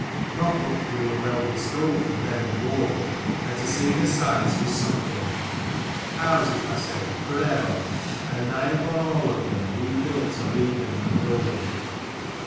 Not but that we were well bestowed for bed and board : and to see the sights was something. Houses, I say, for ever, and nigh upon all of them new built or even in the building.